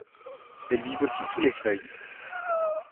Elles vivent aussi sous les feuilles.